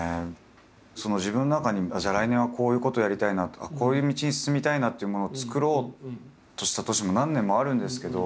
自分の中にじゃあ来年はこういうことやりたいなとかこういう道に進みたいなというものを作ろうとした年も何年もあるんですけど。